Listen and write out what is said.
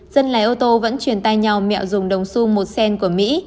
dân lái ô tô vẫn truyền tay nhau mẹo dùng đồng su một sen của mỹ